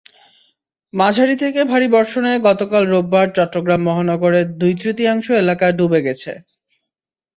মাঝারি থেকে ভারী বর্ষণে গতকাল রোববার চট্টগ্রাম মহানগরের দুই-তৃতীয়াংশ এলাকা ডুবে গেছে।